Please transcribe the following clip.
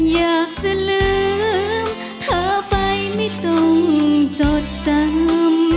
อยากจะลืมเธอไปไม่ต้องจดจำ